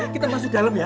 kita masuk dalam ya